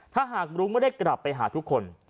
ถ้าหากรุ้งไม่ได้กลับไปหาทุกคน